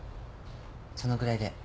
そのぐらいで。